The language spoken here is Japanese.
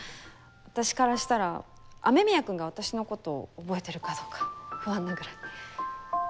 私からしたら雨宮くんが私の事覚えてるかどうか不安なぐらい。